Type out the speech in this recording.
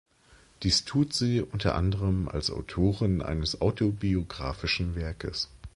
Dies tut sie unter anderem als Autorin eines autobiografischen Werkes.